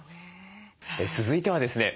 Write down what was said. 続いてはですね